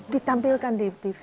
ditampilkan di tv